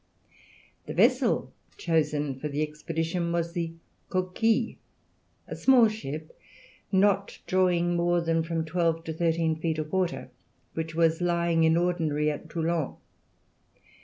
The vessel chosen for the expedition was the Coquille, a small ship, not drawing more than from twelve to thirteen feet of water, which was lying in ordinary at Toulon.